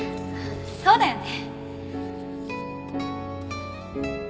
そうだよね。